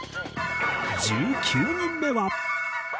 １９人目は。